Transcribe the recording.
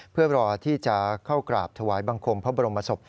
เพื่อรอที่จะเข้ากราบถวายบังคมพระบรมศพ